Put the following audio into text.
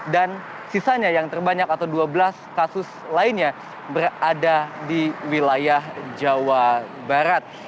dan sisanya yang terbanyak atau dua belas kasus lainnya berada di wilayah jawa barat